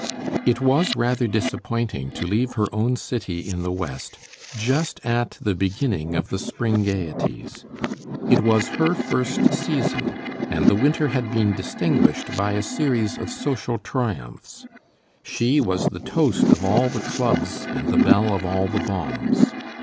It was rather disappointing to leave her own city in the West, just at the beginning of the spring gayeties. It was her first season, and the winter had been distinguished by a series of social triumphs. She was the toast of all the clubs and the belle of all the balls.